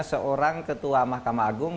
seorang ketua mahkamah agung